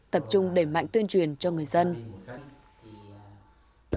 tập trung đẩy mạnh tuyên truyền cho người dân